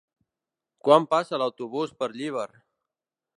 Quan passa l'autobús per Llíber?